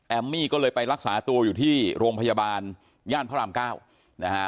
มี่ก็เลยไปรักษาตัวอยู่ที่โรงพยาบาลย่านพระรามเก้านะฮะ